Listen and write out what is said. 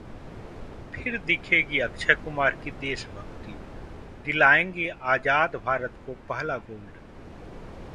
फिर दिखेगी अक्षय कुमार की देशभक्ति, दिलाएंगे आजाद भारत को पहला 'गोल्ड'